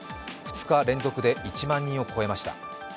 ２日連続で１万人を超えました。